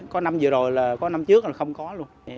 có năm vừa rồi là có năm trước là không có luôn